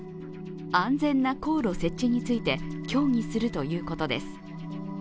安全な航路設置について協議するということです。